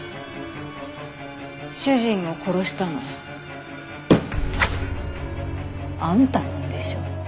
主人を殺したのあんたなんでしょう？